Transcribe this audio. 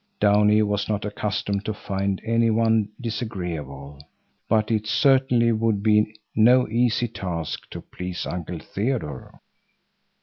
Downie was not accustomed to find any one disagreeable, but it certainly would be no easy task to please Uncle Theodore.